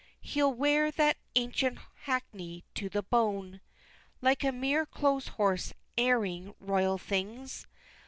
He'll wear that ancient hackney to the bone, Like a mere clothes horse airing royal things!